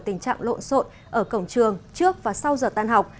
tình trạng lộn xộn ở cổng trường trước và sau giờ tan học